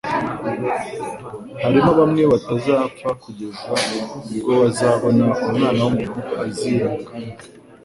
harimo bamwe batazapfa kugeza ubwo bazabona Umwana w'umuntu aziye mu bwami bwe."